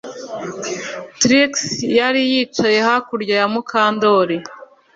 Trix yari yicaye hakurya ya Mukandoli